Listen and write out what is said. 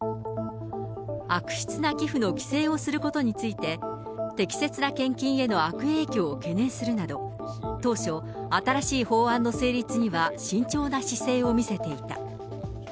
悪質な寄付の規制をすることについて、適切な献金への悪影響を懸念するなど、当初、新しい法案の成立には、慎重な姿勢を見せていた。